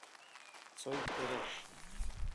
«Цой тере».